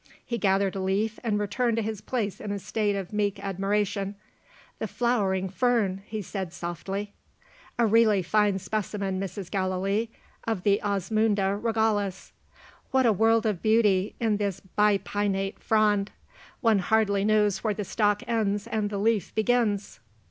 He gathered a leaf, and returned to his place in a state of meek admiration. "The flowering fern!" he said softly. "A really fine specimen, Mrs. Gallilee, of the Osmunda Regalis. What a world of beauty in this bipinnate frond! One hardly knows where the stalk ends and the leaf begins!"